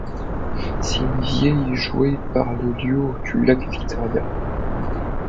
C'est une vièle jouée par les Luo du lac Victoria.